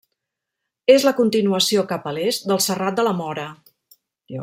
És la continuació cap a l'est del Serrat de la Móra.